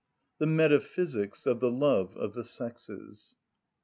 The Metaphysics Of The Love Of The Sexes.